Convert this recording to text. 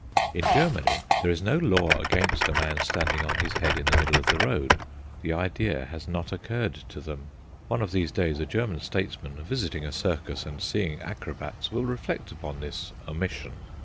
In Germany there is no law against a man standing on his head in the middle of the road; the idea has not occurred to them. One of these days a German statesman, visiting a circus and seeing acrobats, will reflect upon this omission.